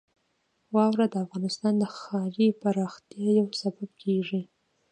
واوره د افغانستان د ښاري پراختیا یو سبب کېږي.